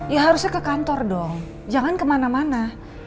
ya harusnya ke kantor dong jangan kemana mana